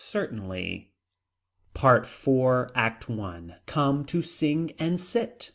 Certainly. PART IV. ACT I. Come to sing and sit.